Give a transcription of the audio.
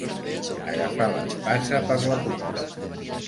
Agafar l'espasa per la punta.